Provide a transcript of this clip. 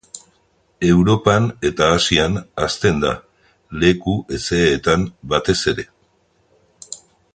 Europan eta Asian hazten da, leku hezeetan batez ere.